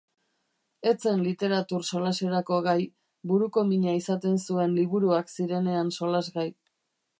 Ez zen literatur solaserako gai, buruko mina izaten zuen liburuak zirenean solasgai.